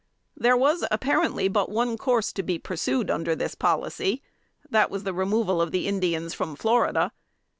There was apparently but one course to be pursued under this policy that was the removal of the Indians from Florida.